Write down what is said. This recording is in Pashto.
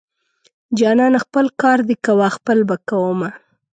جانانه خپل کار دې کوه خپل به کوومه.